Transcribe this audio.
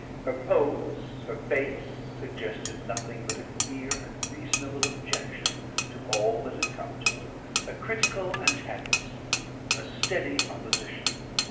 Her pose, her face, suggested nothing but a clear and reasonable objection to all that had come to her, a critical antagonism, a steady opposition.